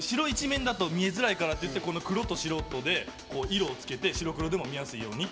見えづらいからっていって黒と白とで色をつけて、白黒でも見えやすいように。